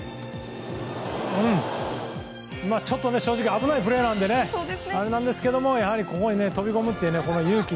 ちょっと正直危ないプレーなのであれなんですけどここまで飛び込む勇気